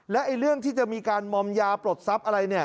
และเรื่องที่จะมีการมอมยาปลดทรัพย์อะไรเนี่ย